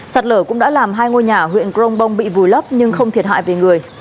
sạt lở cũng đã làm hai ngôi nhà huyện crongbong bị vùi lấp nhưng không thiệt hại về người